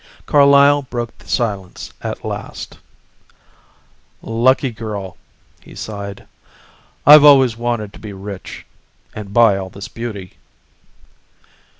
Carlyle broke the silence at last. "Lucky girl," he sighed "I've always wanted to be rich and buy all this beauty."